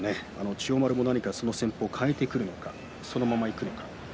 千代丸はその戦法を変えていくのかそれとも、そのままいくのか。